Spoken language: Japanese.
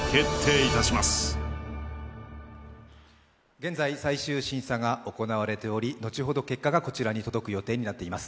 現在、最終審査が行われており、後ほど結果がこちらに届くことになっています。